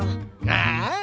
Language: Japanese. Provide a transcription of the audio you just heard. ああ？